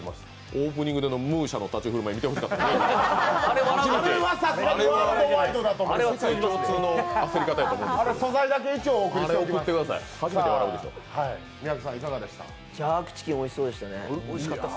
オープニングでのＭＵＳＩＡの立ち居振る舞い見てほしかった。